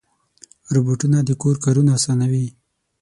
روبوټونه د کور کارونه اسانوي.